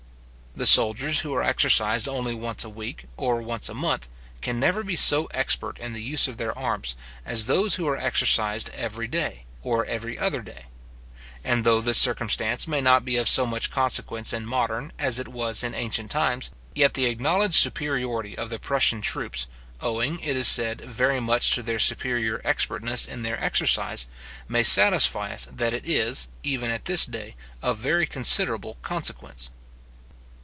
The soldiers who are exercised only once a week, or once a month, can never be so expert in the use of their arms, as those who are exercised every day, or every other day; and though this circumstance may not be of so much consequence in modern, as it was in ancient times, yet the acknowledged superiority of the Prussian troops, owing, it is said, very much to their superior expertness in their exercise, may satisfy us that it is, even at this day, of very considerable consequence.